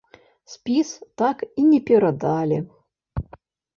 Спіс так і не перадалі.